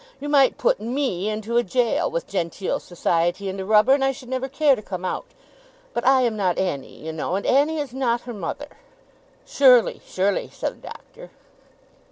You might put ME into a Jail, with genteel society and a rubber, and I should never care to come out. But I am not Annie, you know; and Annie is not her mother.' 'Surely, surely,' said the Doctor.